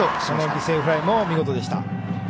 犠牲フライも見事でした。